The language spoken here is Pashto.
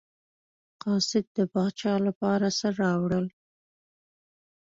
قاصد د پاچا لپاره څه راوړل.